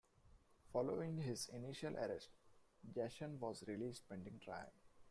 Following his initial arrest, Jaschan was released pending trial.